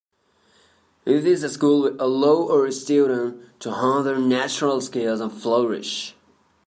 In this school we allow our students to hone their natural skills and flourish.